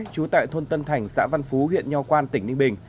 trú tại thôn tân thành xã văn phú huyện nho quan tỉnh ninh bình